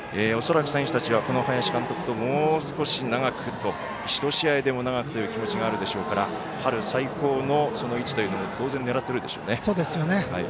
恐らく選手たちはこの林監督と、もう少し長くと１試合でも長くという気持ちがあるでしょうから春最高の位置というのを当然狙っているでしょうね。